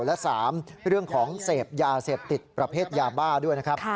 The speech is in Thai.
และ๓เรื่องของเสพยาเสพติดประเภทยาบ้าด้วยนะครับ